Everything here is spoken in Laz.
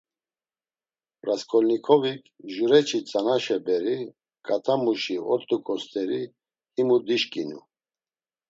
Rasǩolnikovik, jureçi tzanaşe beri ǩatamuşi ort̆uǩo st̆eri, himu dişǩinu.